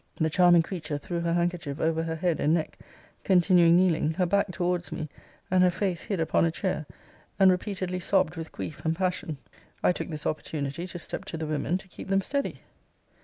The charming creature threw her handkerchief over her head and neck, continuing kneeling, her back towards me, and her face hid upon a chair, and repeatedly sobbed with grief and passion. I took this opportunity to step to the women to keep them steady.